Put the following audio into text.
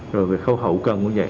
rồi về khâu hậu cần cũng vậy